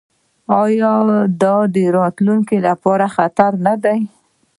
آیا دا د راتلونکي لپاره خطر نه دی؟